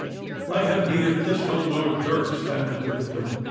" I have neither pistol nor dirk," stammered the victim.